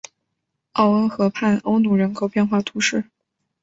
奥恩河畔欧努人口变化图示